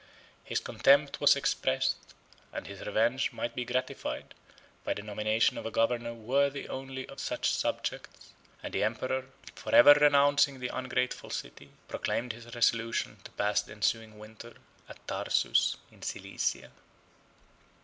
21 His contempt was expressed, and his revenge might be gratified, by the nomination of a governor 22 worthy only of such subjects; and the emperor, forever renouncing the ungrateful city, proclaimed his resolution to pass the ensuing winter at Tarsus in Cilicia.